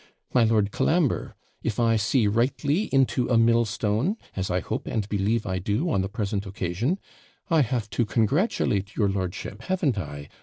My Lord Colambre, if I see rightly into a millstone, as I hope and believe I do on the present occasion, I have to congratulate your lordship (haven't I?)